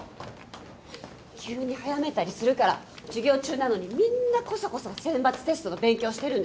急に早めたりするから授業中なのにみんなこそこそ選抜テストの勉強してるんですよ。